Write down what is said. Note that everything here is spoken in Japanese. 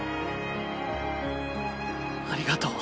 ありがとう。